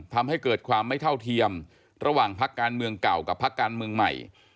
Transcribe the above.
ทำให้เกิดความไม่เท่าเทียมระหว่างพักการเมืองเก่ากับพักการเมืองใหม่